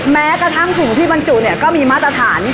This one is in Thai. แม้กระทั่งถุงที่บรรจุเนี่ยก็มีมาตรฐาน